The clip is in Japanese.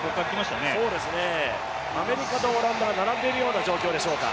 アメリカとオランダが並んでいるような状況でしょうか。